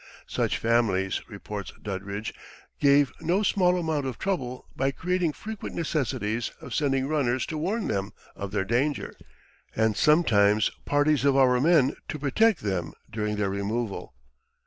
"Such families," reports Doddridge, "gave no small amount of trouble by creating frequent necessities of sending runners to warn them of their danger, and sometimes parties of our men to protect them during their removal."